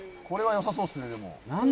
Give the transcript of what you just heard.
「これはよさそうですねでも」